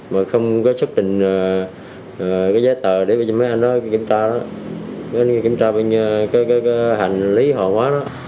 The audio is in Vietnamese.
mà không có xúc định cái giá tờ để cho mấy anh đó kiểm tra đó kiểm tra cái hành lý họ quá đó